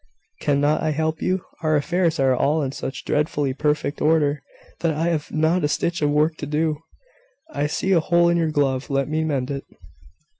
"Cannot I help you? Our affairs are all in such dreadfully perfect order, that I have not a stitch of work to do. I see a hole in your glove: let me mend it."